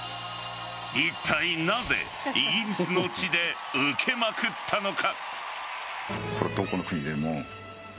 いったいなぜイギリスの地でウケまくったのか。